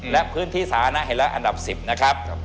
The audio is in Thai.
และพื้นที่สาธารณะเห็นแล้วอันดับ๑๐นะครับ